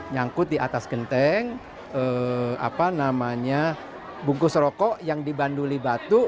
nyangkut di atas genteng bungkus rokok yang dibanduli batu